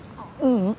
ううん。